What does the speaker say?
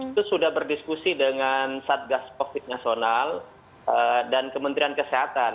itu sudah berdiskusi dengan satgas covid nasional dan kementerian kesehatan